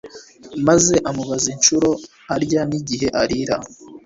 maze amubaza incuro arya n'igihe arira